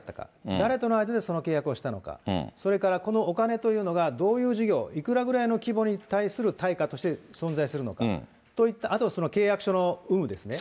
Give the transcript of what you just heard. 誰との間でその契約をしたのか、それからこのお金というのが、どういう事業、いくらぐらいの規模に対する対価として存在するのか、といった、あとは契約書の有無ですね。